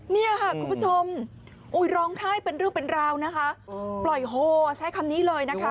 เนี่ยค่ะคุณผู้ชมร้องไห้เป็นเรื่องเป็นราวนะคะปล่อยโฮใช้คำนี้เลยนะคะ